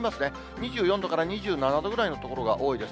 ２４度から２７度ぐらいの所が多いです。